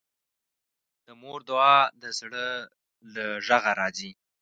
د مور دعا د زړه له غږه راځي